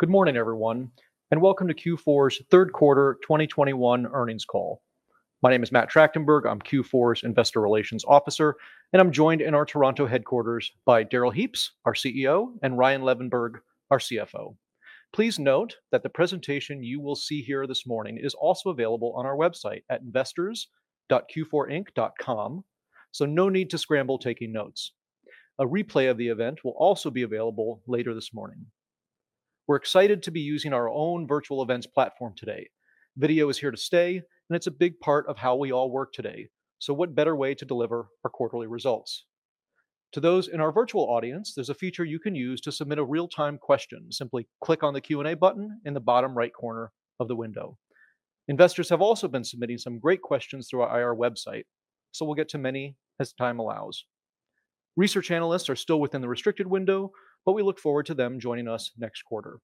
Good morning, everyone, and welcome to Q4's third quarter 2021 earnings call. My name is Matt Tractenberg. I'm Q4's Investor Relations Officer, and I'm joined in our Toronto headquarters by Darrell Heaps, our CEO, and Ryan Levenberg, our CFO. Please note that the presentation you will see here this morning is also available on our website at investors.q4inc.com, so no need to scramble taking notes. A replay of the event will also be available later this morning. We're excited to be using our own virtual events platform today. Video is here to stay, and it's a big part of how we all work today, so what better way to deliver our quarterly results? To those in our virtual audience, there's a feature you can use to submit a real-time question. Simply click on the Q&A button in the bottom right corner of the window. Investors have also been submitting some great questions through our IR website, so we'll get to many as time allows. Research analysts are still within the restricted window, but we look forward to them joining us next quarter.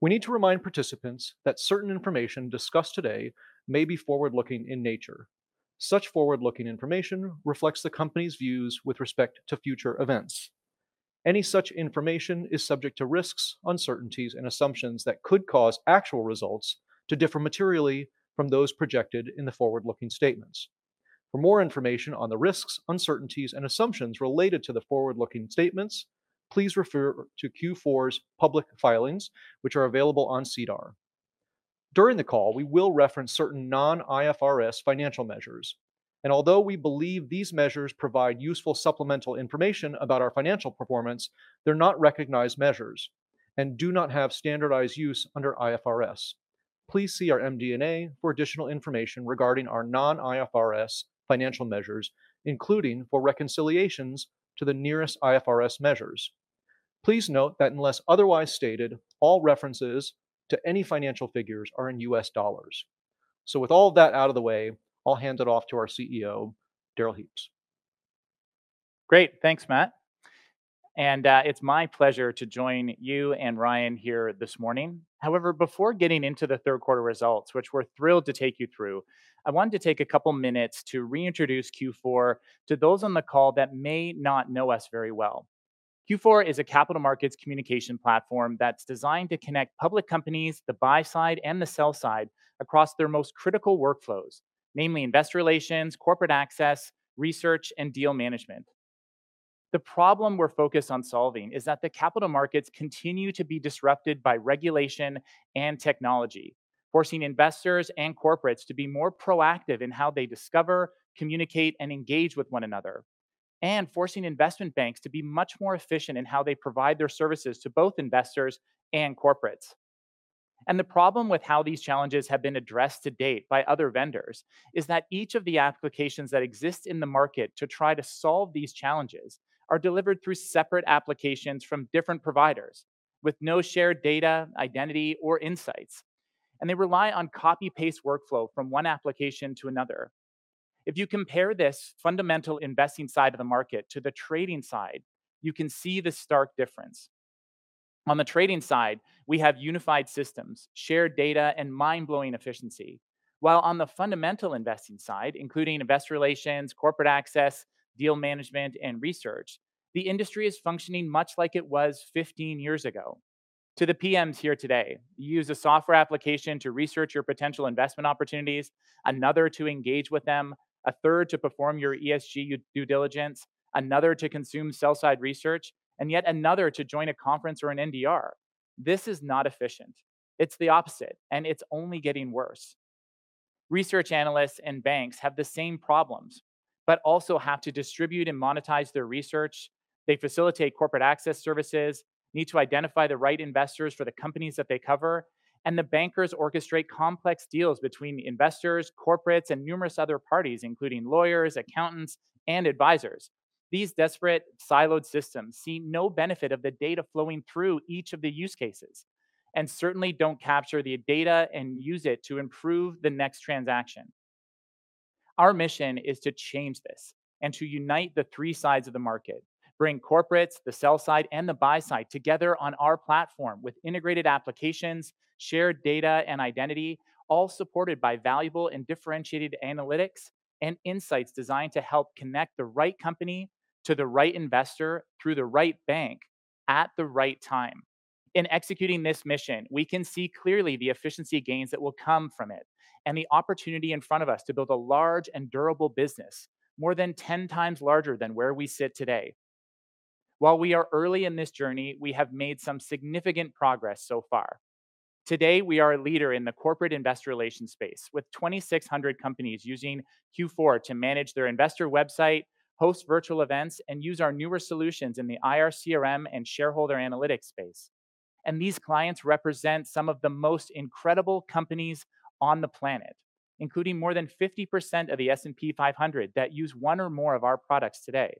We need to remind participants that certain information discussed today may be forward-looking in nature. Such forward-looking information reflects the company's views with respect to future events. Any such information is subject to risks, uncertainties, and assumptions that could cause actual results to differ materially from those projected in the forward-looking statements. For more information on the risks, uncertainties, and assumptions related to the forward-looking statements, please refer to Q4's public filings, which are available on SEDAR. During the call, we will reference certain non-IFRS financial measures, and although we believe these measures provide useful supplemental information about our financial performance, they're not recognized measures and do not have standardized use under IFRS. Please see our MD&A for additional information regarding our non-IFRS financial measures, including for reconciliations to the nearest IFRS measures. Please note that unless otherwise stated, all references to any financial figures are in U.S. dollars. With all of that out of the way, I'll hand it off to our CEO, Darrell Heaps. Great. Thanks, Matt. It's my pleasure to join you and Ryan here this morning. However, before getting into the third quarter results, which we're thrilled to take you through, I wanted to take a couple minutes to reintroduce Q4 to those on the call that may not know us very well. Q4 is a capital markets communication platform that's designed to connect public companies, the buy side, and the sell side across their most critical workflows, namely investor relations, corporate access, research, and deal management. The problem we're focused on solving is that the capital markets continue to be disrupted by regulation and technology, forcing investors and corporates to be more proactive in how they discover, communicate, and engage with one another, and forcing investment banks to be much more efficient in how they provide their services to both investors and corporates. The problem with how these challenges have been addressed to date by other vendors is that each of the applications that exist in the market to try to solve these challenges are delivered through separate applications from different providers with no shared data, identity, or insights, and they rely on copy-paste workflow from one application to another. If you compare this fundamental investing side of the market to the trading side, you can see the stark difference. On the trading side, we have unified systems, shared data, and mind-blowing efficiency. While on the fundamental investing side, including investor relations, corporate access, deal management, and research, the industry is functioning much like it was 15 years ago. To the PMs here today, you use a software application to research your potential investment opportunities, another to engage with them, a third to perform your ESG due diligence, another to consume sell side research, and yet another to join a conference or an NDR. This is not efficient. It's the opposite, and it's only getting worse. Research analysts and banks have the same problems, but also have to distribute and monetize their research. They facilitate corporate access services, need to identify the right investors for the companies that they cover, and the bankers orchestrate complex deals between investors, corporates, and numerous other parties, including lawyers, accountants, and advisors. These desperate siloed systems see no benefit of the data flowing through each of the use cases, and certainly don't capture the data and use it to improve the next transaction. Our mission is to change this and to unite the three sides of the market, bring corporates, the sell side, and the buy side together on our platform with integrated applications, shared data and identity, all supported by valuable and differentiated analytics and insights designed to help connect the right company to the right investor through the right bank at the right time. In executing this mission, we can see clearly the efficiency gains that will come from it and the opportunity in front of us to build a large and durable business, more than 10 times larger than where we sit today. While we are early in this journey, we have made some significant progress so far. Today, we are a leader in the corporate investor relations space, with 2,600 companies using Q4 to manage their investor website, host virtual events, and use our newer solutions in the IR CRM and Shareholder Analytics space. These clients represent some of the most incredible companies on the planet, including more than 50% of the S&P 500 that use one or more of our products today.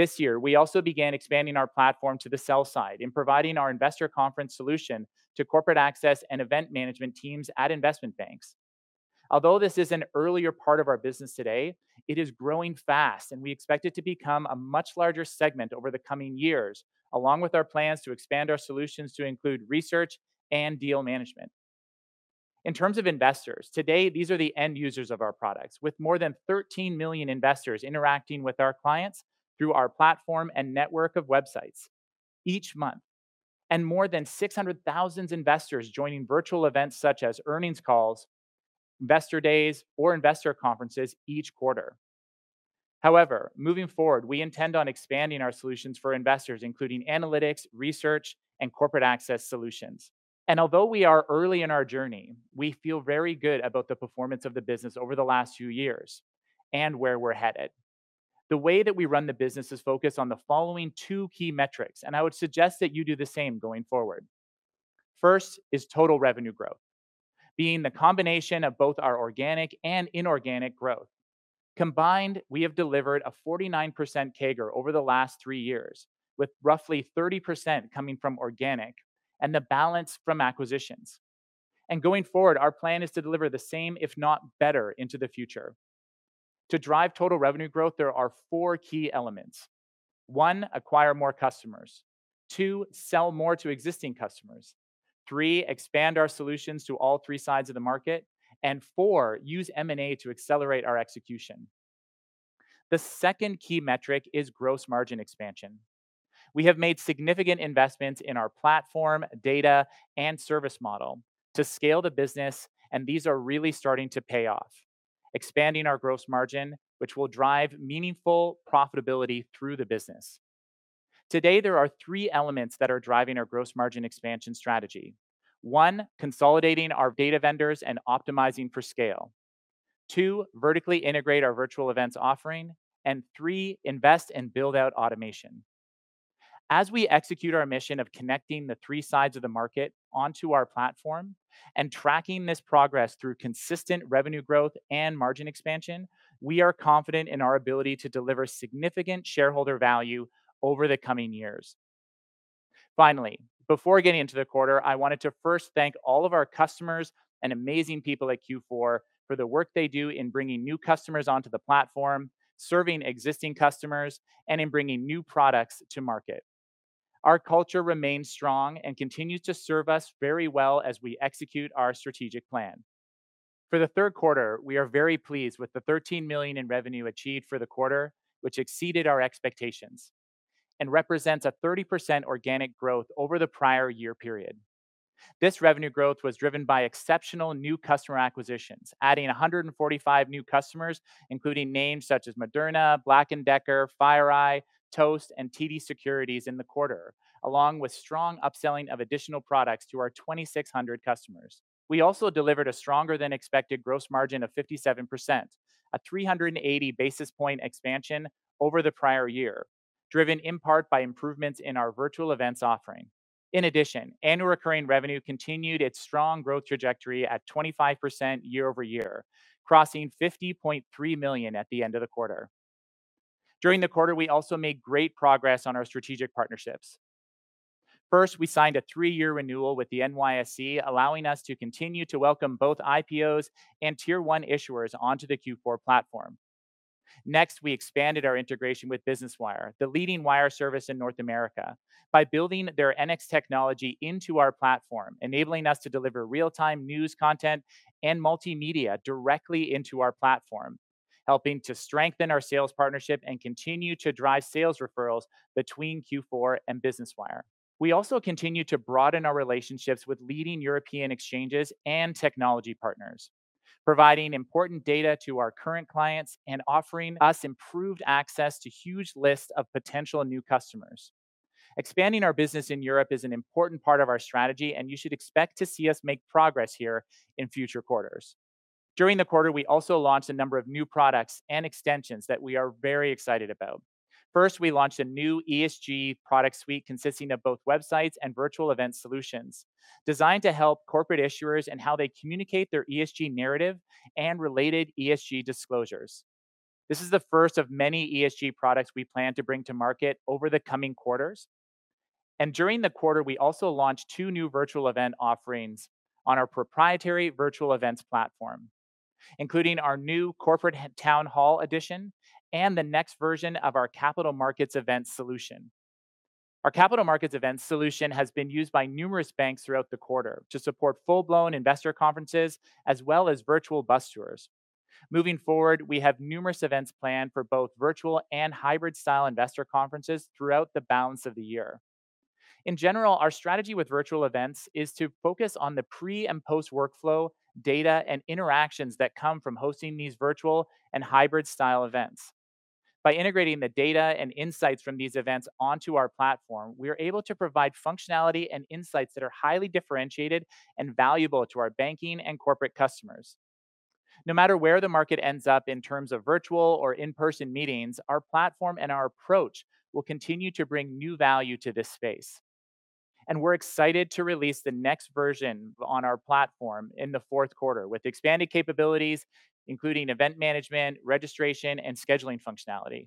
This year, we also began expanding our platform to the sell side in providing our investor conference solution to corporate access and event management teams at investment banks. Although this is an earlier part of our business today, it is growing fast, and we expect it to become a much larger segment over the coming years, along with our plans to expand our solutions to include research and deal management. In terms of investors, today these are the end users of our products, with more than 13 million investors interacting with our clients through our platform and network of websites each month, and more than 600,000 investors joining virtual events such as earnings calls, investor days, or investor conferences each quarter. However, moving forward, we intend on expanding our solutions for investors, including analytics, research, and corporate access solutions. Although we are early in our journey, we feel very good about the performance of the business over the last few years and where we're headed. The way that we run the business is focused on the following two key metrics, and I would suggest that you do the same going forward. First is total revenue growth, being the combination of both our organic and inorganic growth. Combined, we have delivered a 49% CAGR over the last three years, with roughly 30% coming from organic and the balance from acquisitions. Going forward, our plan is to deliver the same, if not better, into the future. To drive total revenue growth, there are four key elements. One, acquire more customers. Two, sell more to existing customers. Three, expand our solutions to all three sides of the market. And four, use M&A to accelerate our execution. The second key metric is gross margin expansion. We have made significant investments in our platform, data, and service model to scale the business, and these are really starting to pay off, expanding our gross margin, which will drive meaningful profitability through the business. Today, there are three elements that are driving our gross margin expansion strategy. One, consolidating our data vendors and optimizing for scale. Two, vertically integrate our virtual events offering. And three, invest and build out automation. As we execute our mission of connecting the three sides of the market onto our platform and tracking this progress through consistent revenue growth and margin expansion, we are confident in our ability to deliver significant shareholder value over the coming years. Finally, before getting into the quarter, I wanted to first thank all of our customers and amazing people at Q4 for the work they do in bringing new customers onto the platform, serving existing customers, and in bringing new products to market. Our culture remains strong and continues to serve us very well as we execute our strategic plan. For the third quarter, we are very pleased with the $13 million in revenue achieved for the quarter, which exceeded our expectations and represents a 30% organic growth over the prior year period. This revenue growth was driven by exceptional new customer acquisitions, adding 145 new customers, including names such as Moderna, Black & Decker, FireEye, Toast, and TD Securities in the quarter, along with strong upselling of additional products to our 2,600 customers. We also delivered a stronger-than-expected gross margin of 57%, a 380 basis point expansion over the prior year, driven in part by improvements in our virtual events offering. In addition, annual recurring revenue continued its strong growth trajectory at 25% year-over-year, crossing $50.3 million at the end of the quarter. During the quarter, we also made great progress on our strategic partnerships. First, we signed a three-year renewal with the NYSE, allowing us to continue to welcome both IPOs and Tier 1 issuers onto the Q4 platform. Next, we expanded our integration with Business Wire, the leading wire service in North America, by building their NX technology into our platform, enabling us to deliver real-time news content and multimedia directly into our platform, helping to strengthen our sales partnership and continue to drive sales referrals between Q4 and Business Wire. We also continue to broaden our relationships with leading European exchanges and technology partners, providing important data to our current clients and offering us improved access to huge lists of potential new customers. Expanding our business in Europe is an important part of our strategy, and you should expect to see us make progress here in future quarters. During the quarter, we also launched a number of new products and extensions that we are very excited about. First, we launched a new ESG product suite consisting of both websites and virtual event solutions designed to help corporate issuers in how they communicate their ESG narrative and related ESG disclosures. This is the first of many ESG products we plan to bring to market over the coming quarters. During the quarter, we also launched two new virtual event offerings on our proprietary virtual events platform, including our new corporate town hall edition and the next version of our Capital Markets Events solution. Our Capital Markets Events solution has been used by numerous banks throughout the quarter to support full-blown investor conferences as well as virtual bus tours. Moving forward, we have numerous events planned for both virtual and hybrid-style investor conferences throughout the balance of the year. In general, our strategy with virtual events is to focus on the pre- and post-workflow data and interactions that come from hosting these virtual and hybrid-style events. By integrating the data and insights from these events onto our platform, we are able to provide functionality and insights that are highly differentiated and valuable to our banking and corporate customers. No matter where the market ends up in terms of virtual or in-person meetings, our platform and our approach will continue to bring new value to this space. We're excited to release the next version on our platform in the fourth quarter with expanded capabilities, including event management, registration, and scheduling functionality.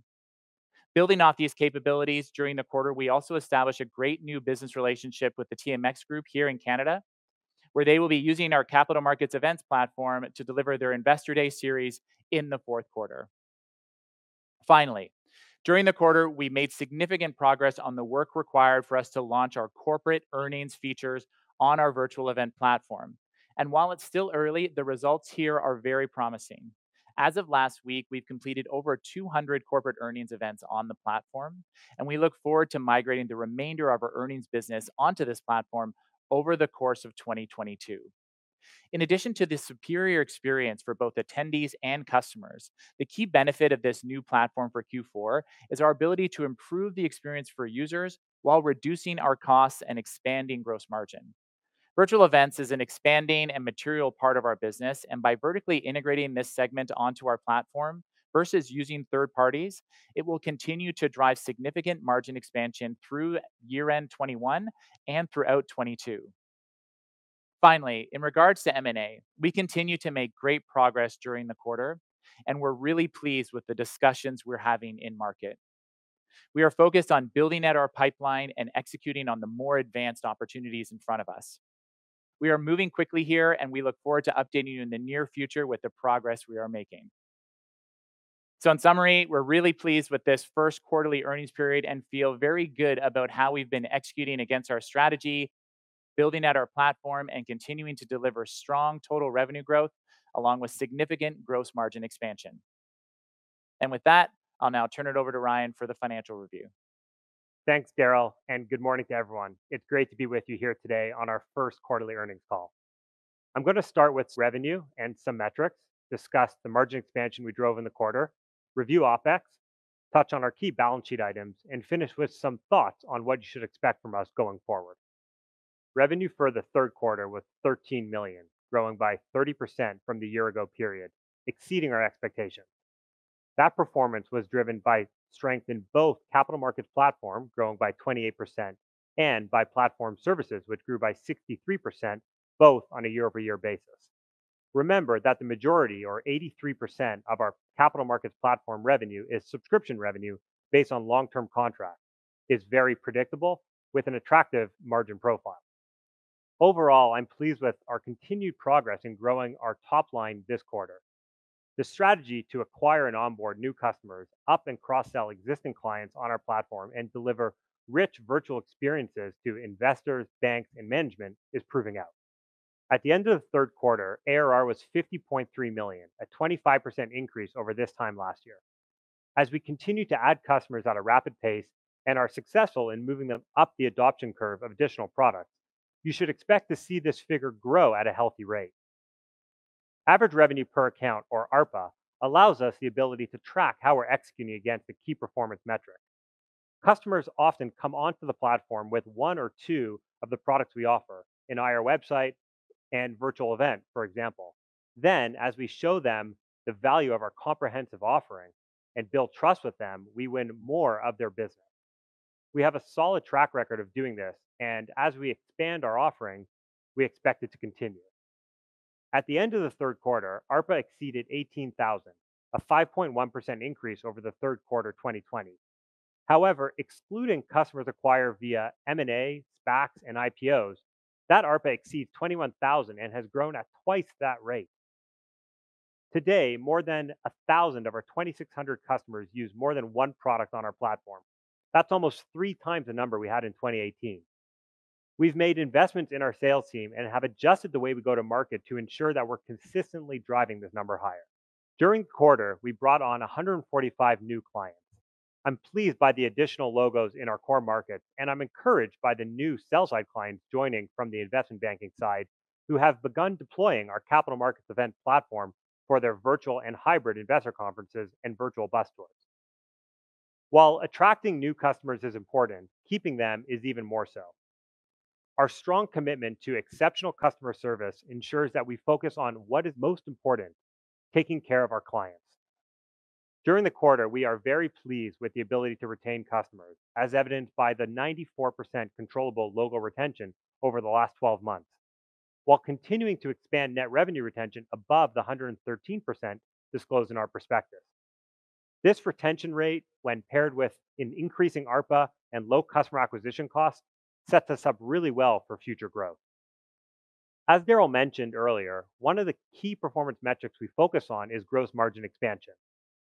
Building off these capabilities during the quarter, we also established a great new business relationship with the TMX Group here in Canada, where they will be using our Capital Markets Events Platform to deliver their investor day series in the fourth quarter. Finally, during the quarter, we made significant progress on the work required for us to launch our corporate earnings features on our virtual event platform. While it's still early, the results here are very promising. As of last week, we've completed over 200 corporate earnings events on the platform, and we look forward to migrating the remainder of our earnings business onto this platform over the course of 2022. In addition to the superior experience for both attendees and customers, the key benefit of this new platform for Q4 is our ability to improve the experience for users while reducing our costs and expanding gross margin. Virtual events is an expanding and material part of our business, and by vertically integrating this segment onto our platform versus using third parties, it will continue to drive significant margin expansion through year-end 2021 and throughout 2022. Finally, in regards to M&A, we continue to make great progress during the quarter, and we're really pleased with the discussions we're having in market. We are focused on building out our pipeline and executing on the more advanced opportunities in front of us. We are moving quickly here, and we look forward to updating you in the near future with the progress we are making. In summary, we're really pleased with this first quarterly earnings period and feel very good about how we've been executing against our strategy, building out our platform, and continuing to deliver strong total revenue growth along with significant gross margin expansion. With that, I'll now turn it over to Ryan for the financial review. Thanks, Darrell, and good morning to everyone. It's great to be with you here today on our first quarterly earnings call. I'm gonna start with revenue and some metrics, discuss the margin expansion we drove in the quarter, review OpEx, touch on our key balance sheet items, and finish with some thoughts on what you should expect from us going forward. Revenue for the third quarter was $13 million, growing by 30% from the year ago period, exceeding our expectations. That performance was driven by strength in both Capital Markets Platform, growing by 28%, and by Platform Services, which grew by 63%, both on a year-over-year basis. Remember that the majority, or 83%, of our Capital Markets Platform revenue is subscription revenue based on long-term contracts, is very predictable with an attractive margin profile. Overall, I'm pleased with our continued progress in growing our top line this quarter. The strategy to acquire and onboard new customers, up and cross-sell existing clients on our platform and deliver rich virtual experiences to investors, banks, and management is proving out. At the end of the third quarter, ARR was $50.3 million, a 25% increase over this time last year. As we continue to add customers at a rapid pace and are successful in moving them up the adoption curve of additional products, you should expect to see this figure grow at a healthy rate. Average revenue per account or ARPA allows us the ability to track how we're executing against the key performance metric. Customers often come onto the platform with one or two of the products we offer, an IR Website and Virtual Events, for example. As we show them the value of our comprehensive offering and build trust with them, we win more of their business. We have a solid track record of doing this, and as we expand our offering, we expect it to continue. At the end of the third quarter, ARPA exceeded 18,000, a 5.1% increase over the third quarter 2020. However, excluding customers acquired via M&A, SPACs, and IPOs, that ARPA exceeds 21,000 and has grown at twice that rate. Today, more than 1,000 of our 2,600 customers use more than one product on our platform. That's almost 3x the number we had in 2018. We've made investments in our sales team and have adjusted the way we go to market to ensure that we're consistently driving this number higher. During the quarter, we brought on 145 new clients. I'm pleased by the additional logos in our core markets, and I'm encouraged by the new sell-side clients joining from the investment banking side who have begun deploying our Capital Markets Events platform for their virtual and hybrid investor conferences and virtual bus tours. While attracting new customers is important, keeping them is even more so. Our strong commitment to exceptional customer service ensures that we focus on what is most important, taking care of our clients. During the quarter, we are very pleased with the ability to retain customers, as evidenced by the 94% controllable logo retention over the last 12 months, while continuing to expand net revenue retention above the 113% disclosed in our prospectus. This retention rate, when paired with an increasing ARPA and low customer acquisition cost, sets us up really well for future growth. As Darrell mentioned earlier, one of the key performance metrics we focus on is gross margin expansion,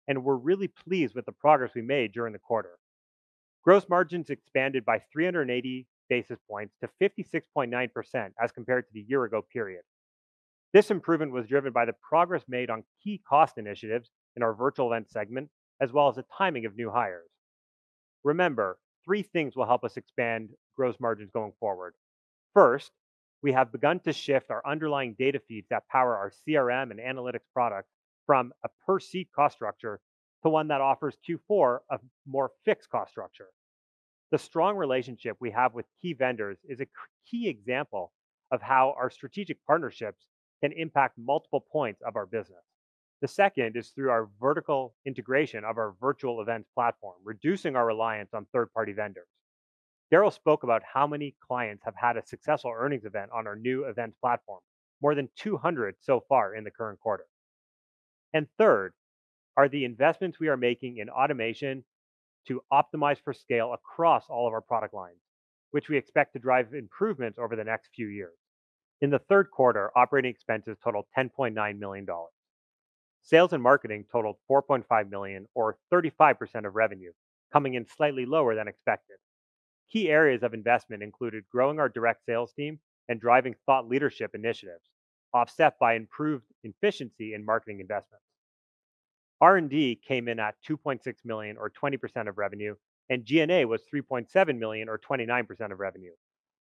and we're really pleased with the progress we made during the quarter. Gross margins expanded by 380 basis points to 56.9% as compared to the year ago period. This improvement was driven by the progress made on key cost initiatives in our virtual event segment, as well as the timing of new hires. Remember, three things will help us expand gross margins going forward. First, we have begun to shift our underlying data feeds that power our CRM and analytics product from a per-seat cost structure to one that offers Q4 a more fixed cost structure. The strong relationship we have with key vendors is a key example of how our strategic partnerships can impact multiple points of our business. The second is through our vertical integration of our virtual event platform, reducing our reliance on third-party vendors. Darrell spoke about how many clients have had a successful earnings event on our new event platform, more than 200 so far in the current quarter. Third are the investments we are making in automation to optimize for scale across all of our product lines, which we expect to drive improvement over the next few years. In the third quarter, operating expenses totaled $10.9 million. Sales and marketing totaled $4.5 million, or 35% of revenue, coming in slightly lower than expected. Key areas of investment included growing our direct sales team and driving thought leadership initiatives, offset by improved efficiency in marketing investments. R&D came in at $2.6 million, or 20% of revenue, and G&A was $3.7 million, or 29% of revenue.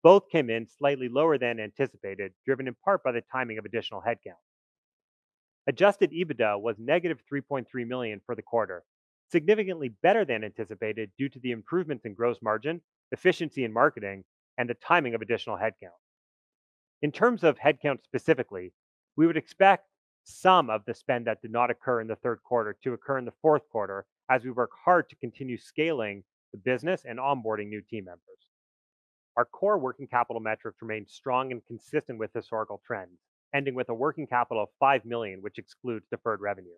Both came in slightly lower than anticipated, driven in part by the timing of additional headcount. Adjusted EBITDA was -$3.3 million for the quarter, significantly better than anticipated due to the improvements in gross margin, efficiency in marketing, and the timing of additional headcount. In terms of headcount specifically, we would expect some of the spend that did not occur in the third quarter to occur in the fourth quarter as we work hard to continue scaling the business and onboarding new team members. Our core working capital metrics remained strong and consistent with historical trends, ending with a working capital of $5 million, which excludes deferred revenue.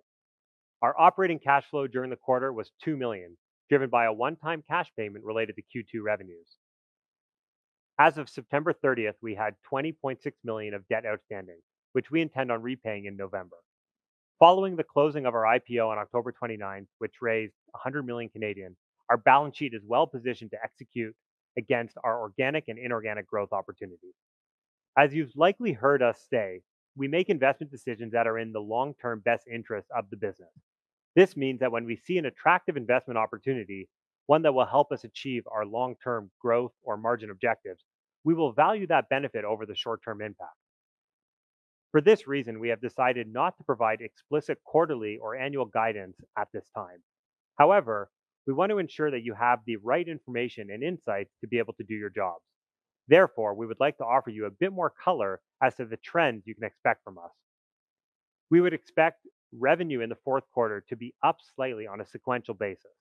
Our operating cash flow during the quarter was $2 million, driven by a one-time cash payment related to Q2 revenues. As of September 30th, we had $20.6 million of debt outstanding, which we intend on repaying in November. Following the closing of our IPO on October 29th, which raised 100 million, our balance sheet is well-positioned to execute against our organic and inorganic growth opportunities. As you've likely heard us say, we make investment decisions that are in the long-term best interest of the business. This means that when we see an attractive investment opportunity, one that will help us achieve our long-term growth or margin objectives, we will value that benefit over the short-term impact. For this reason, we have decided not to provide explicit quarterly or annual guidance at this time. However, we want to ensure that you have the right information and insights to be able to do your jobs. Therefore, we would like to offer you a bit more color as to the trends you can expect from us. We would expect revenue in the fourth quarter to be up slightly on a sequential basis.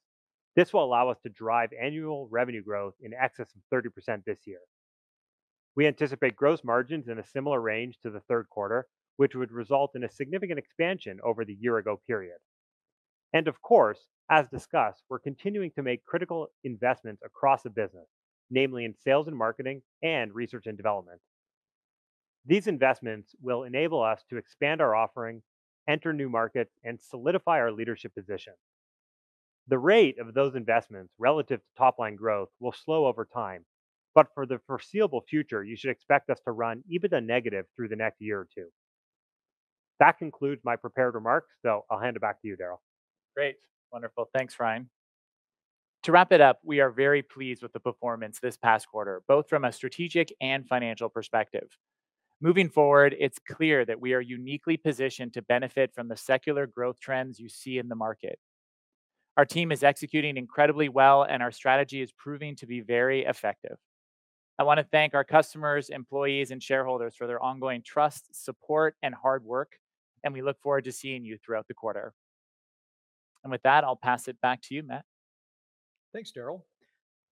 This will allow us to drive annual revenue growth in excess of 30% this year. We anticipate gross margins in a similar range to the third quarter, which would result in a significant expansion over the year-ago period. Of course, as discussed, we're continuing to make critical investments across the business, namely in sales and marketing and research and development. These investments will enable us to expand our offering, enter new markets, and solidify our leadership position. The rate of those investments relative to top-line growth will slow over time, but for the foreseeable future, you should expect us to run EBITDA negative through the next year or two. That concludes my prepared remarks, so I'll hand it back to you, Darrell. Great. Wonderful. Thanks, Ryan. To wrap it up, we are very pleased with the performance this past quarter, both from a strategic and financial perspective. Moving forward, it's clear that we are uniquely positioned to benefit from the secular growth trends you see in the market. Our team is executing incredibly well, and our strategy is proving to be very effective. I want to thank our customers, employees, and shareholders for their ongoing trust, support, and hard work, and we look forward to seeing you throughout the quarter. With that, I'll pass it back to you, Matt. Thanks, Darrell.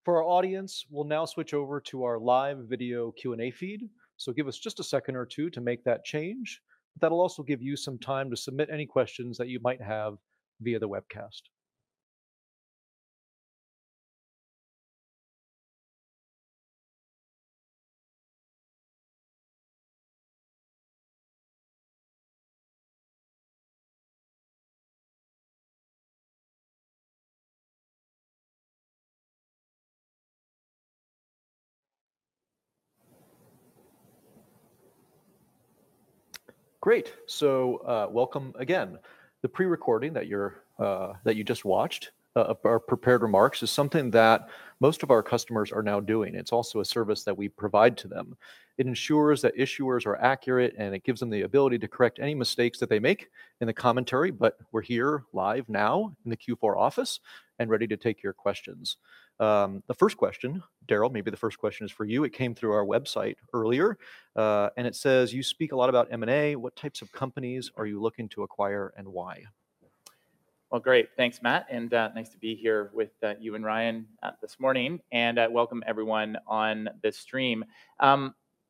For our audience, we'll now switch over to our live video Q&A feed, so give us just a second or two to make that change. That'll also give you some time to submit any questions that you might have via the webcast. Great. Welcome again. The pre-recording that you just watched of our prepared remarks is something that most of our customers are now doing. It's also a service that we provide to them. It ensures that issuers are accurate, and it gives them the ability to correct any mistakes that they make in the commentary, but we're here live now in the Q4 office and ready to take your questions. The first question, Darrell, maybe the first question is for you. It came through our website earlier, and it says, "You speak a lot about M&A. What types of companies are you looking to acquire and why?" Well, great. Thanks, Matt, and nice to be here with you and Ryan this morning, and welcome everyone on this stream.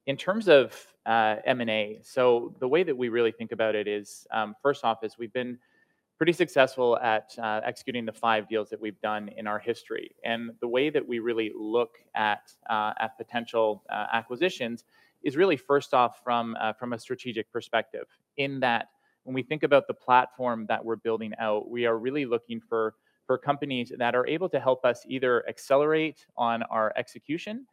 In terms of M&A, the way that we really think about it is first off we've been pretty successful at executing the five deals that we've done in our history. The way that we really look at potential acquisitions is really first off from a strategic perspective in that when we think about the platform that we're building out, we are really looking for companies that are able to help us either accelerate on our execution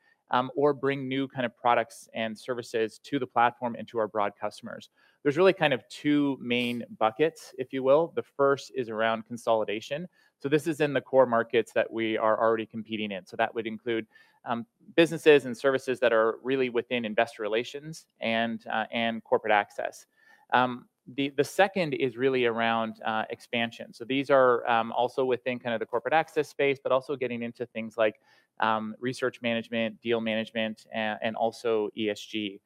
or bring new kind of products and services to the platform and to our broad customers. There's really kind of two main buckets, if you will. The first is around consolidation. This is in the core markets that we are already competing in. That would include businesses and services that are really within investor relations and corporate access. The second is really around expansion. These are also within kind of the corporate access space, but also getting into things like research management, deal management, and also ESG.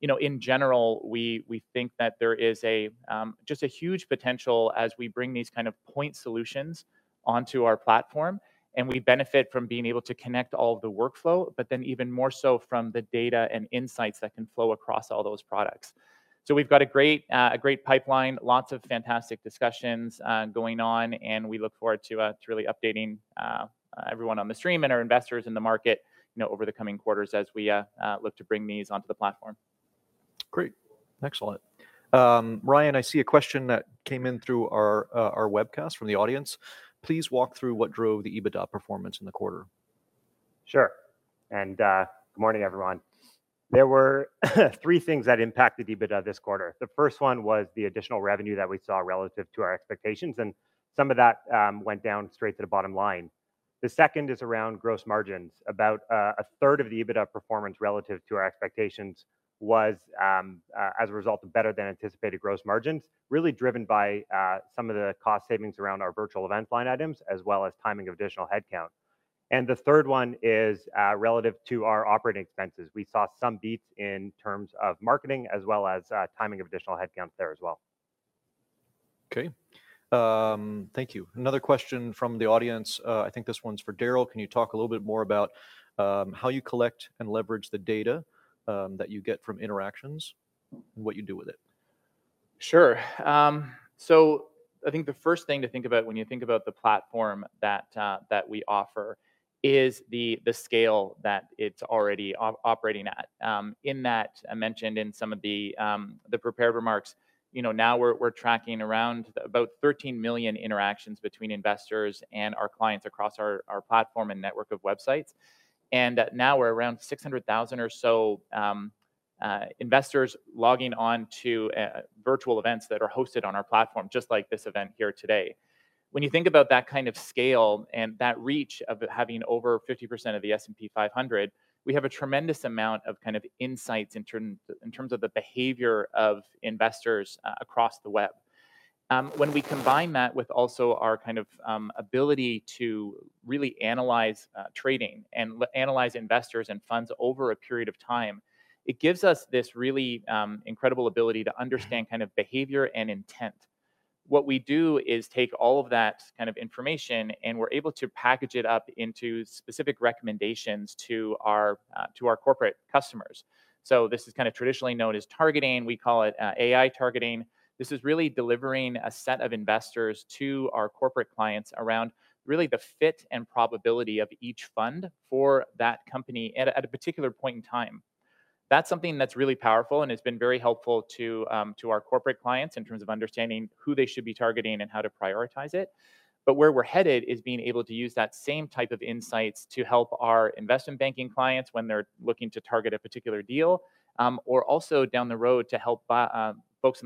You know, in general, we think that there is just a huge potential as we bring these kind of point solutions onto our platform, and we benefit from being able to connect all of the workflow, but then even more so from the data and insights that can flow across all those products. We've got a great pipeline, lots of fantastic discussions going on, and we look forward to really updating everyone on the stream and our investors in the market, you know, over the coming quarters as we look to bring these onto the platform. Great. Excellent. Ryan, I see a question that came in through our webcast from the audience. Please walk through what drove the EBITDA performance in the quarter. Sure. Good morning, everyone. There were three things that impacted EBITDA this quarter. The first one was the additional revenue that we saw relative to our expectations, and some of that went down straight to the bottom line. The second is around gross margins. About a third of the EBITDA performance relative to our expectations was as a result of better than anticipated gross margins, really driven by some of the cost savings around our virtual event line items, as well as timing of additional headcount. The third one is relative to our operating expenses. We saw some beats in terms of marketing as well as timing of additional headcount there as well. Okay. Thank you. Another question from the audience. I think this one's for Darrell. Can you talk a little bit more about how you collect and leverage the data that you get from interactions and what you do with it? Sure. So I think the first thing to think about when you think about the platform that that we offer is the scale that it's already operating at. In that I mentioned in some of the prepared remarks, you know, now we're tracking around about 13 million interactions between investors and our clients across our platform and network of websites. Now we're around 600,000 or so investors logging on to virtual events that are hosted on our platform, just like this event here today. When you think about that kind of scale and that reach of having over 50% of the S&P 500, we have a tremendous amount of kind of insights in terms of the behavior of investors across the web. When we combine that with also our, kind of, ability to really analyze trading and analyze investors and funds over a period of time, it gives us this really incredible ability to understand, kind of, behavior and intent. What we do is take all of that, kind of, information, and we're able to package it up into specific recommendations to our, to our corporate customers. This is kind of traditionally known as targeting. We call it AI targeting. This is really delivering a set of investors to our corporate clients around really the fit and probability of each fund for that company at a, at a particular point in time. That's something that's really powerful, and it's been very helpful to our corporate clients in terms of understanding who they should be targeting and how to prioritize it. Where we're headed is being able to use that same type of insights to help our investment banking clients when they're looking to target a particular deal, or also down the road to help buy-side folks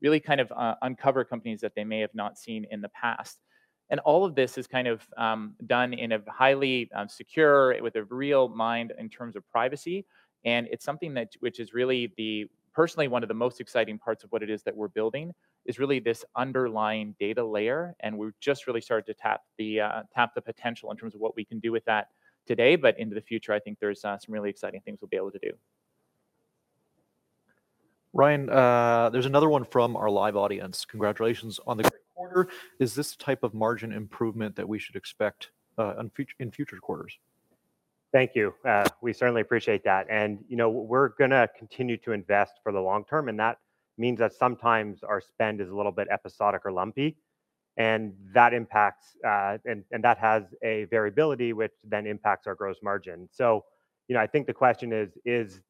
really, kind of, uncover companies that they may have not seen in the past. All of this is, kind of, done in a highly secure, with a real mind in terms of privacy, and it's something that which is really personally one of the most exciting parts of what it is that we're building, is really this underlying data layer, and we've just really started to tap the potential in terms of what we can do with that today. Into the future, I think there's some really exciting things we'll be able to do. Ryan, there's another one from our live audience. Congratulations on the great quarter. Is this the type of margin improvement that we should expect on future quarters? Thank you. We certainly appreciate that. You know, we're gonna continue to invest for the long term, and that means that sometimes our spend is a little bit episodic or lumpy, and that has a variability which then impacts our gross margin. You know, I think the question is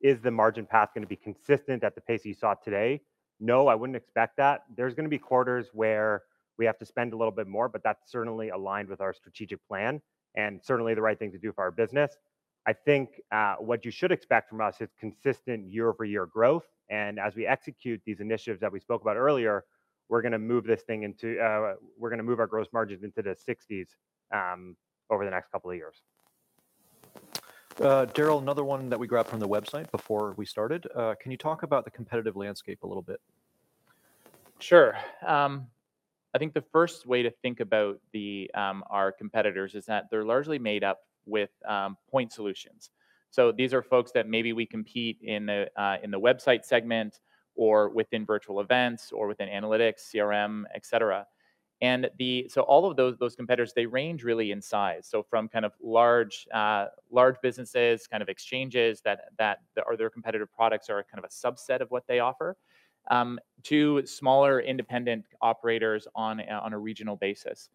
the margin path gonna be consistent at the pace you saw today? No, I wouldn't expect that. There's gonna be quarters where we have to spend a little bit more, but that's certainly aligned with our strategic plan and certainly the right thing to do for our business. I think, what you should expect from us is consistent year-over-year growth. As we execute these initiatives that we spoke about earlier, we're gonna move this thing into... We're gonna move our gross margins into the 60s% over the next couple of years. Darrell, another one that we grabbed from the website before we started. Can you talk about the competitive landscape a little bit? Sure. I think the first way to think about our competitors is that they're largely made up with point solutions. These are folks that maybe we compete in the website segment or within virtual events or within analytics, CRM, et cetera. All of those competitors, they range really in size. From kind of large businesses, kind of exchanges, or their competitive products are kind of a subset of what they offer, to smaller independent operators on a regional basis.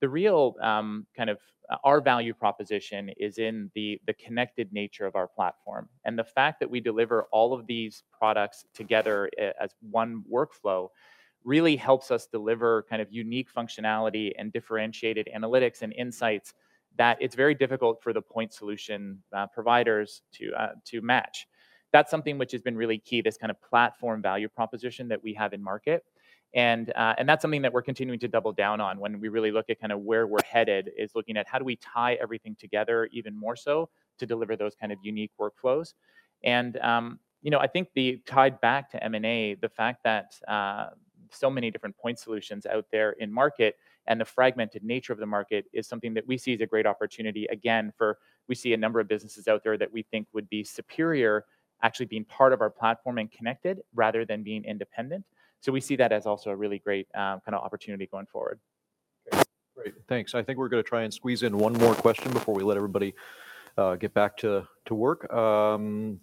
The real kind of our value proposition is in the connected nature of our platform. The fact that we deliver all of these products together as one workflow really helps us deliver kind of unique functionality and differentiated analytics and insights that it's very difficult for the point solution providers to match. That's something which has been really key, this kind of platform value proposition that we have in market. That's something that we're continuing to double down on when we really look at kinda where we're headed, is looking at how do we tie everything together even more so to deliver those kind of unique workflows. You know, I think it ties back to M&A, the fact that so many different point solutions out there in the market and the fragmented nature of the market is something that we see as a great opportunity, again. We see a number of businesses out there that we think would be superior actually being part of our platform and connected rather than being independent. We see that as also a really great kind of opportunity going forward. Great. Thanks. I think we're gonna try and squeeze in one more question before we let everybody get back to work.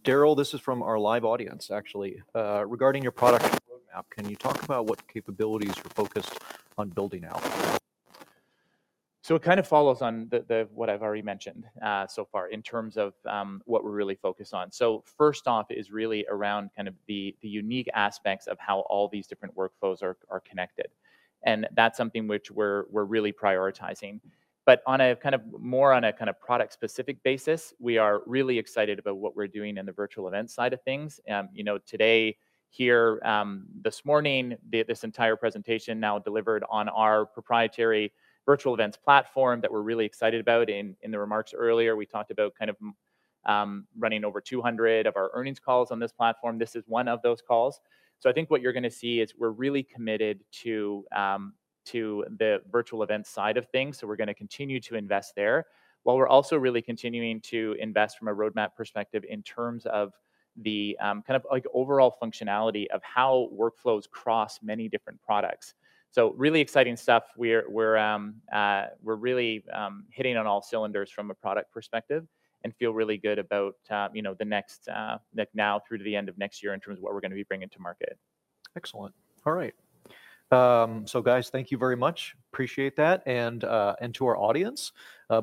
Darrell, this is from our live audience, actually. Regarding your product roadmap, can you talk about what capabilities you're focused on building out? It kind of follows on the what I've already mentioned so far in terms of what we're really focused on. First off is really around kind of the unique aspects of how all these different workflows are connected. That's something which we're really prioritizing. On a more product specific basis, we are really excited about what we're doing in the virtual event side of things. You know, today here this morning this entire presentation now delivered on our proprietary virtual events platform that we're really excited about. In the remarks earlier, we talked about kind of running over 200 of our earnings calls on this platform. This is one of those calls. I think what you're gonna see is we're really committed to the virtual event side of things. We're gonna continue to invest there, while we're also really continuing to invest from a roadmap perspective in terms of the kind of like overall functionality of how workflows cross many different products. Really exciting stuff. We're really hitting on all cylinders from a product perspective and feel really good about you know the next like now through to the end of next year in terms of what we're gonna be bringing to market. Excellent. All right. Guys, thank you very much. Appreciate that. To our audience,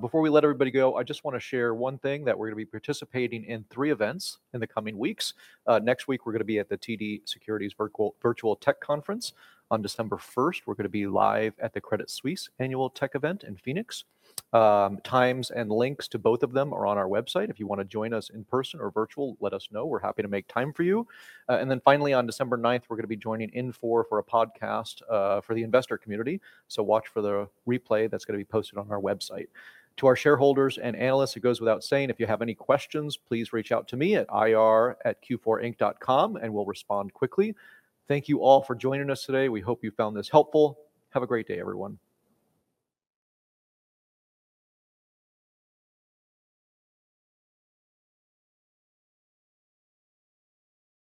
before we let everybody go, I just wanna share one thing that we're gonna be participating in three events in the coming weeks. Next week we're gonna be at the TD Securities Virtual Tech Conference. On December 1st, we're gonna be live at the Credit Suisse Annual Tech Event in Phoenix. Times and links to both of them are on our website. If you wanna join us in person or virtual, let us know. We're happy to make time for you. And then finally on December ninth, we're gonna be joining Infor for a podcast for the investor community. Watch for the replay that's gonna be posted on our website. To our shareholders and analysts, it goes without saying, if you have any questions, please reach out to me at ir@q4inc.com, and we'll respond quickly. Thank you all for joining us today. We hope you found this helpful. Have a great day, everyone.